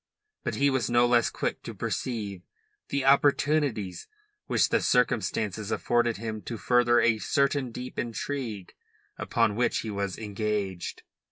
But he was no less quick to perceive the opportunities which the circumstances afforded him to further a certain deep intrigue upon which he was engaged.